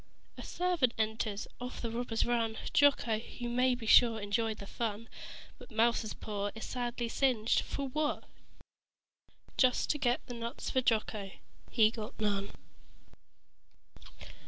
A servant enters. Off the robbers run. Jocko, you may be sure, enjoyed the fun. But Mouser's paw is sadly singed for what? Just to get nuts for Jocko. He got none.